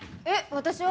私は？